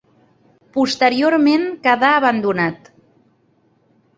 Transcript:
Posteriorment quedà abandonat.